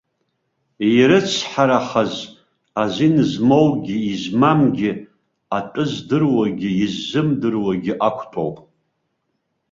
Ирыцҳарахаз, азин змоугьы измамгьы, атәы здыруагьы иззымдыруагьы ақәтәоуп.